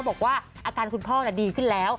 บอกว่าอาการคุณพ่อดีขึ้นแล้ว